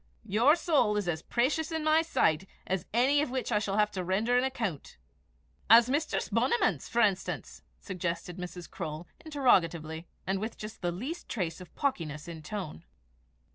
Your soul is as precious in my sight as any of which I shall have to render an account." "As Mistress Bonniman's, for enstance?" suggested Mrs. Croale, interrogatively, and with just the least trace of pawkiness in the tone.